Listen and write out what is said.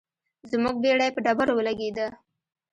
زموږ بیړۍ په ډبرو ولګیده.